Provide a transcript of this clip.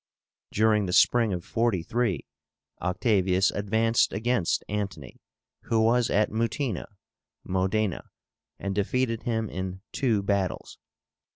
During the spring of 43 Octavius advanced against Antony, who was at Mutina (Modena), and defeated him in two battles.